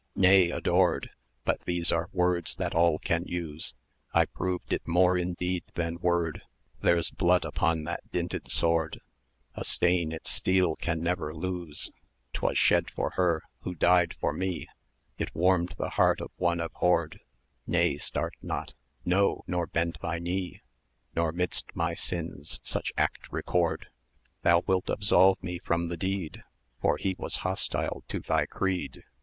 nay, adored But these are words that all can use 1030 I proved it more in deed than word; There's blood upon that dinted sword, A stain its steel can never lose: 'Twas shed for her, who died for me, It warmed the heart of one abhorred: Nay, start not no nor bend thy knee, Nor midst my sin such act record; Thou wilt absolve me from the deed, For he was hostile to thy creed!